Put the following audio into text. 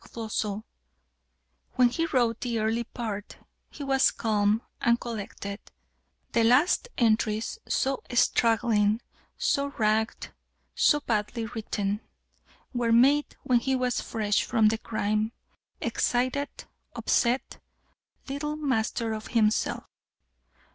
Floçon. "When he wrote the early part, he was calm and collected; the last entries, so straggling, so ragged, and so badly written, were made when he was fresh from the crime, excited, upset, little master of himself.